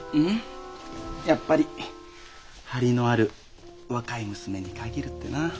やっぱり張りのある若い娘に限るってな。